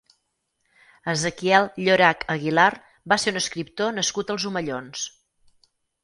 Ezequiel Llorach Aguilar va ser un escriptor nascut als Omellons.